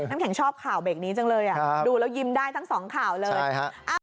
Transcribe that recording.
น้ำแข็งชอบข่าวเบรกนี้จังเลยดูแล้วยิ้มได้ทั้งสองข่าวเลย